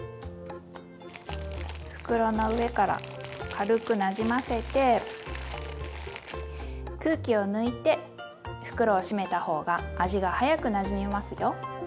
袋の上から軽くなじませて空気を抜いて袋を閉めた方が味が早くなじみますよ。